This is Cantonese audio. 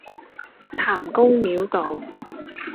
譚公廟道